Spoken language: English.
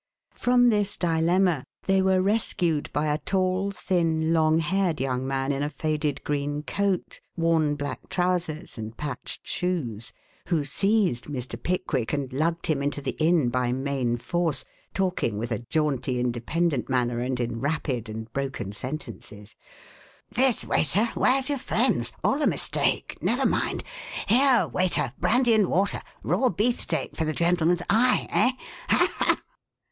From this dilemma they were rescued by a tall, thin, long haired, young man in a faded green coat, worn black trousers and patched shoes, who seized Mr. Pickwick and lugged him into the inn by main force, talking with a jaunty independent manner and in rapid and broken sentences: "This way, sir where's your friends? all a mistake never mind here, waiter brandy and water raw beefsteak for the gentleman's eye eh, ha ha!"